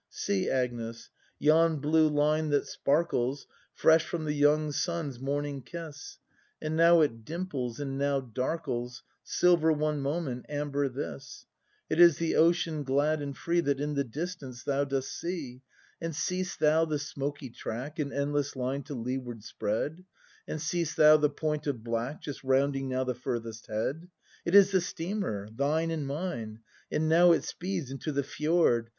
See, Agnes, yon blue line that sparkles, Fresh from the young sun's morning kiss. And now it dimples and now darkles, Silver one moment, amber this; It is the ocean glad and free That in the distance thou dost see. And seest thou the smoky track In endless line to leeward spread ? And seest thou the point of black Just rounding now the furthest head? It is the steamer — thine and mine — And now it speeds into the fjord.